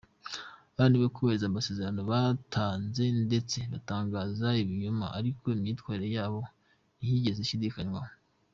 Bananiwe kubahiriza amasezerano batanze ndetse batangaza ibinyoma, ariko imyitwarire yabo ntiyigeze ishidikanywaho.